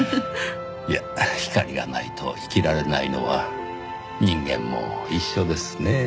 いや光がないと生きられないのは人間も一緒ですねぇ。